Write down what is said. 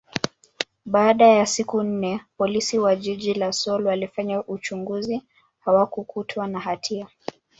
baada ya siku nne, Polisi wa jiji la Seoul walifanya uchunguzi, hakukutwa na hatia.